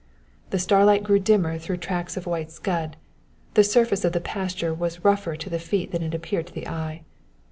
The starlight grew dimmer through tracts of white scud; the surface of the pasture was rougher to the feet than it appeared to the eye.